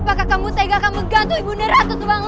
apakah kamu tak akan menggantung ibu neratu sebuah larang rai